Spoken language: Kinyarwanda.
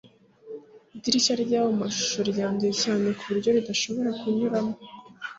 idirishya ryamashusho ryanduye cyane kuburyo ridashobora kunyuramo